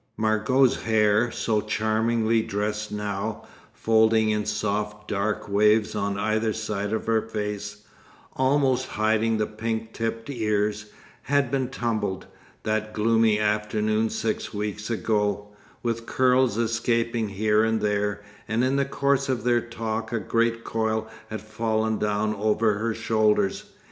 Margot's hair, so charmingly dressed now, folding in soft dark waves on either side her face, almost hiding the pink tipped ears, had been tumbled, that gloomy afternoon six weeks ago, with curls escaping here and there; and in the course of their talk a great coil had fallen down over her shoulders.